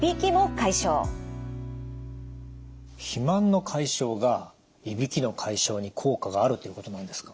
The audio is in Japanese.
肥満の解消がいびきの解消に効果があるということなんですか？